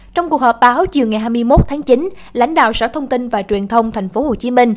trong cuộc họp báo chiều ngày hai mươi một tháng chín lãnh đạo sở thông tin và truyền thông tp hcm